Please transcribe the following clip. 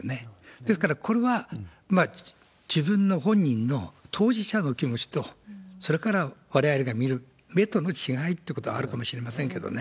ですから、これは自分の、本人の当事者の気持ちと、それからわれわれが見る目との違いっていうのはあるかもしれませんけれどもね。